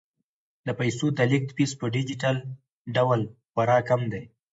د پيسو د لیږد فیس په ډیجیټل ډول خورا کم دی.